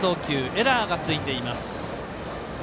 エラーがついています。